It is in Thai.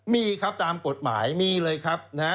มีครับตามกฎหมายมีเลยครับนะฮะ